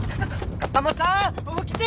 風真さん起きて！